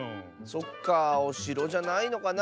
そっかあおしろじゃないのかなあ。